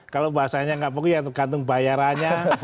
kalau bahasanya gak bagus ya tergantung bayarannya